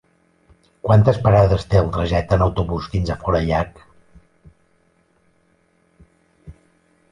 Quantes parades té el trajecte en autobús fins a Forallac?